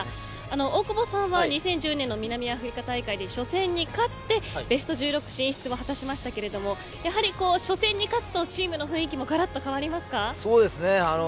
大久保さんは、２０１０年の南アフリカ大会で初戦に勝ってベスト１６進出を果たしましたけれどやはり初戦に勝つとチームの雰囲気もそうですね。